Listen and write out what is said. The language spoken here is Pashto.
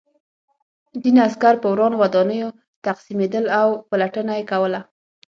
ځینې عسکر په ورانو ودانیو تقسیمېدل او پلټنه یې کوله